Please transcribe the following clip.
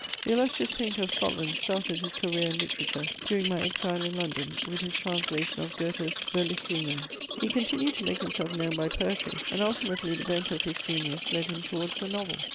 The illustrious painter of Scotland started his career in literature during my exile in London with his translation of Goethe's Berlichingen. He continued to make himself known by poetry, and ultimately the bent of his genius led him towards the novel.